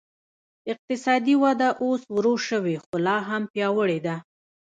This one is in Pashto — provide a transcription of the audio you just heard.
اقتصادي وده اوس ورو شوې خو لا هم پیاوړې ده.